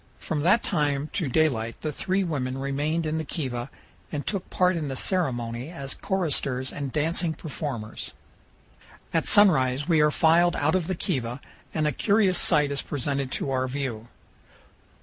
From that time to daylight the three women remained in the kiva and took part in the ceremony as choristers and dancing performers. At sunrise we are filed out of the kiva, and a curious sight is presented to our view.